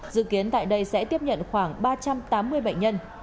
dự kiến tại đây sẽ tiếp nhận khoảng ba trăm tám mươi bệnh nhân